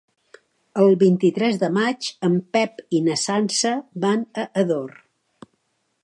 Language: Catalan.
El vint-i-tres de maig en Pep i na Sança van a Ador.